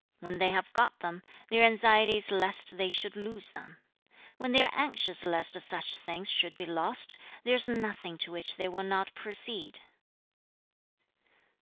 When they have got them, their anxiety is lest they should lose them. 3. 'When they are anxious lest such things should be lost, there is nothing to which they will not proceed.'